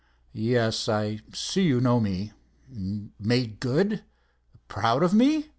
"Yes, I see you know me. Made good! Proud of me?"